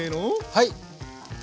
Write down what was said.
はい！